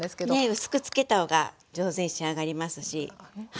薄くつけた方が上手に仕上がりますし。